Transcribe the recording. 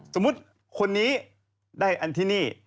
สมมุติคนนี้ได้อันที่นี่